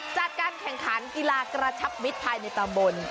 จัดการแข่งขันกีฬากระชับมิตรภายในตำบล